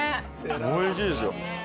おいしいですよ。